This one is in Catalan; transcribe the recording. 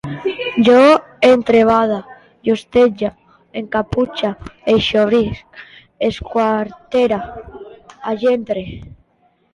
Jo entrebade, justege, encaputxe, eixobrisc, esquartere, engendre